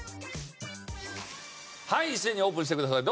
一斉にオープンしてください。